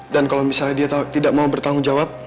dan kalau misalnya dia tidak mau bertanggung jawab